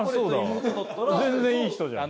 全然いい人じゃん。